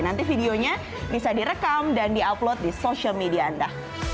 nanti videonya bisa direkam dan di upload di social media anda